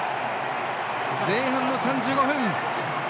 前半の３５分。